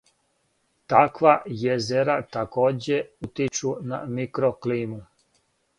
Таква језера такође утичу на микроклиму.